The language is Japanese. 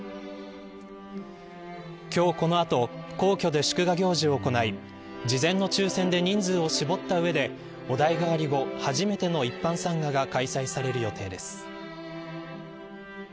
今日この後皇居で祝賀行事を行い事前の抽選で人数を絞った上でお代替わり後、初めての一般参賀が行われる予定です。